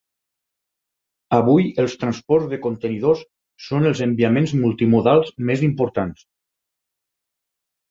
Avui els transports de contenidors són els enviaments multimodals més importants.